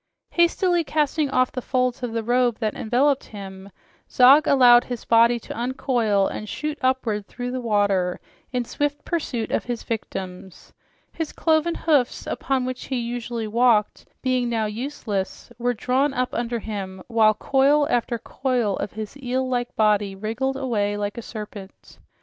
Hastily casting off the folds of the robe that enveloped him, Zog allowed his body to uncoil and shoot upward through the water in swift pursuit of his victims. His cloven hoofs, upon which he usually walked, being now useless, were drawn up under him, while coil after coil of his eel like body wriggled away like a serpent.